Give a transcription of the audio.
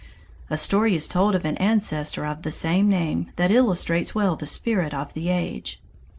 A story is told of an ancestor of the same name that illustrates well the spirit of the age.